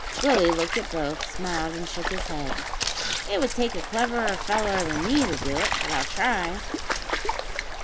Willie looked at both, smiled, and shook his head. "It would take a cleverer feller than me to do it; but I'll try."